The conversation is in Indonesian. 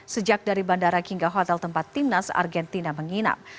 sejak dari bandara hingga hotel tempat timnas argentina menginap